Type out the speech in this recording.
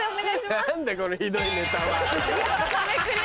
何だこのひどいネタは。